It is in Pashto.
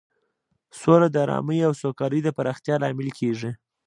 سوله د ارامۍ او سوکالۍ د پراختیا لامل کیږي.